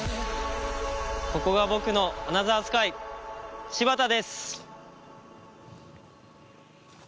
ここが僕のアナザースカイ新発田です。